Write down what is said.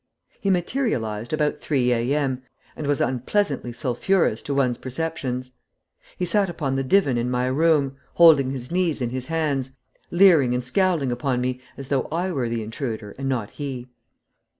He materialized about 3 A.M. and was unpleasantly sulphurous to one's perceptions. He sat upon the divan in my room, holding his knees in his hands, leering and scowling upon me as though I were the intruder, and not he.